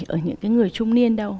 ở những cái người trung niên đâu